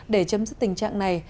để chấm dứt tình trạng này